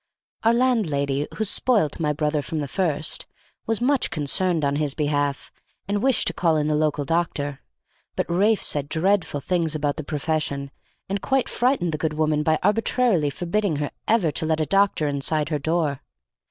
Our landlady, who spoilt my brother from the first, was much concerned on his behalf, and wished to call in the local doctor; but Ralph said dreadful things about the profession, and quite frightened the good woman by arbitrarily forbidding her ever to let a doctor inside her door.